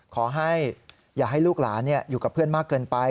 ขอให้อย่าให้ลูกหลานอยู่กับเพื่อนมากเกินไป